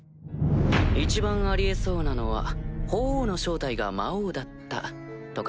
一番あり得そうなのは法皇の正体が魔王だったとかかな？